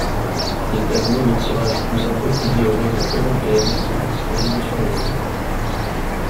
Des tableaux de tirage plus appropriés aux règles européennes sont disponibles sur le web.